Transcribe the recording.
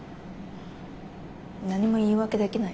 何も言い訳できない。